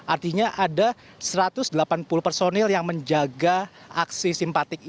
artinya ada satu ratus delapan puluh personil yang menjaga